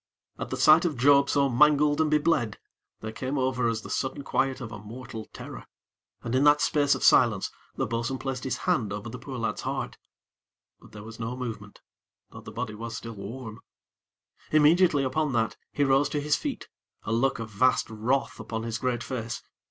At the sight of Job so mangled and be bled, there came over us the sudden quiet of a mortal terror, and in that space of silence, the bo'sun placed his hand over the poor lad's heart; but there was no movement, though the body was still warm. Immediately upon that, he rose to his feet, a look of vast wrath upon his great face.